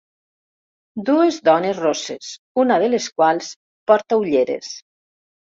Dues dones rosses, una de les quals porta ulleres